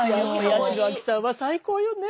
八代亜紀さんは最高よね！